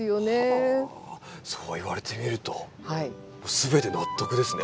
はあそう言われてみると全て納得ですね。